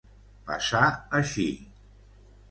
Passà així.